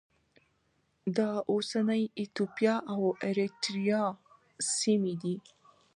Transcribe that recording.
د اوسنۍ ایتوپیا او اریتریا سیمې دي.